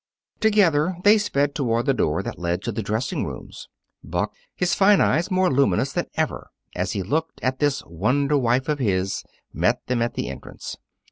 Together they sped toward the door that led to the dressing rooms. Buck, his fine eyes more luminous than ever as he looked at this wonder wife of his, met them at the entrance.